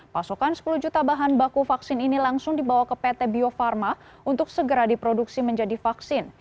pasokan sepuluh juta bahan baku vaksin ini langsung dibawa ke pt bio farma untuk segera diproduksi menjadi vaksin